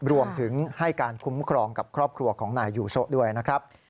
รวมถึงให้การคุ้มครองกับครอบครัวของนายยูโซะด้วยนะครับ